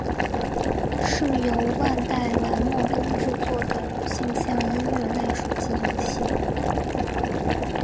是由万代南梦宫制作的女性向音乐类手机游戏。